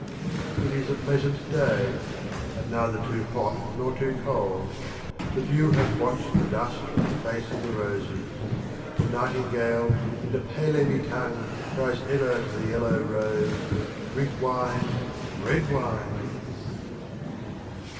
So VI. It is a pleasant day, and neither too hot nor too cold; The Dew hath washed the Dust from the Face of the Roses ; The Nightingale, in the Pehlevi tongue, cries ever to the Yellow Rose, " Drink Wine !— Red Wine